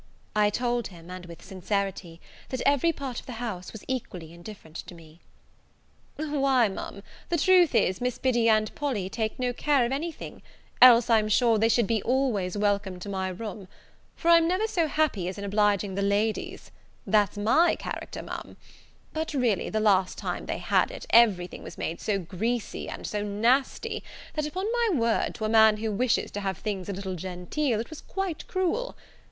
I told him, and with sincerity, that every part of the house was equally indifferent to me. "Why, Ma'am, the truth is, Miss Biddy and Polly take no care of any thing; else, I'm sure, they should be always welcome to my room; for I'm never so happy as in obliging the ladies, that's my character, Ma'am: but, really, the last time they had it, every thing was made so greasy and so nasty, that, upon my word, to a man who wishes to have things a little genteel, it was quite cruel.